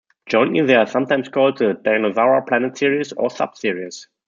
Jointly they are sometimes called the "Dinosaur Planet series" or sub-series.